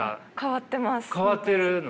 変わってるの。